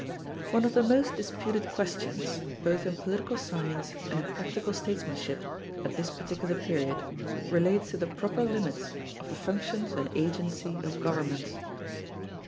One of the most disputed questions, both in political science and in practical statesmanship at this particular period, relates to the proper limits of the functions and agency of governments.